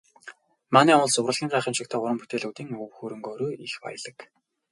Манай улс урлагийн гайхамшигтай уран бүтээлүүдийн өв хөрөнгөөрөө их баялаг.